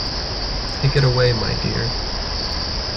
Take it away, my dear.